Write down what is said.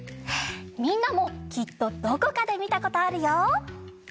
みんなもきっとどこかでみたことあるよ。